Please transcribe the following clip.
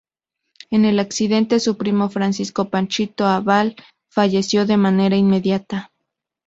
En el accidente, su primo Francisco "Panchito" Abal, falleció de manera inmediata.